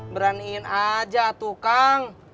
beraniin aja tuh kang